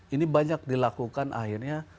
ini banyak dilakukan akhirnya